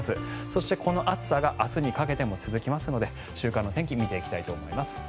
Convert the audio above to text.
そして、この暑さが明日にかけても続きますので週間の天気見ていきたいと思います。